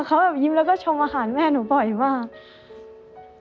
เขาแบบยิ้มแล้วก็ชมอาหารแม่หนูบ่อยมาก